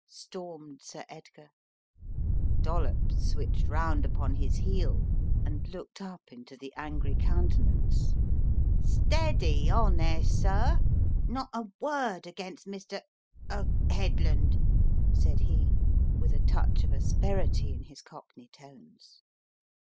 stormed Sir Edgar. Dollops switched round upon his heel and looked up into the angry countenance. "Steady on there, sir. Not a word against Mr. — er Headland," said he with a touch of asperity in his cockney tones.